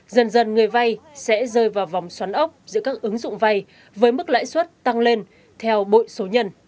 dần dần người vay sẽ rơi vào vòng xoắn ốc giữa các ứng dụng vay với mức lãi suất tăng lên theo bội số nhân